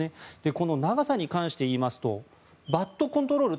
この長さに関して言いますとバットコントロール